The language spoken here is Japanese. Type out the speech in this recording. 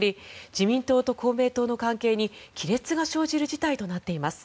自民党と公明党の関係に亀裂が生じる事態となっています。